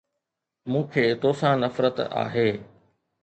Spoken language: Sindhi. مون کي توسان نفرت آهي!